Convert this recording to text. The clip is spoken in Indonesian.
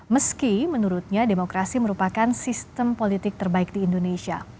meski menurutnya demokrasi merupakan sistem politik terbaik di indonesia